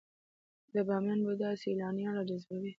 د بامیان بودا سیلانیان راجذبوي؟